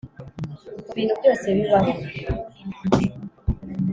kubintu byose bibaho